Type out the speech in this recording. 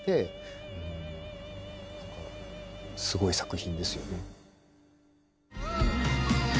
すごい作品ですよね。